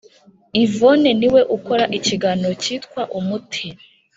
Yvonne niwe ukora ikiganiro cyitwa umuti